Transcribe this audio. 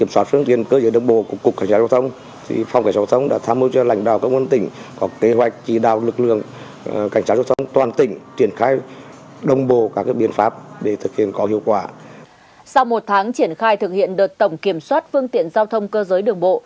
sau một tháng triển khai thực hiện đợt tổng kiểm soát phương tiện giao thông cơ giới đường bộ